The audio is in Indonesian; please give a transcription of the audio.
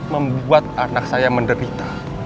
membuat anak saya menderita